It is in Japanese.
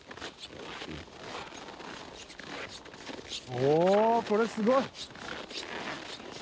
おおこれすごい！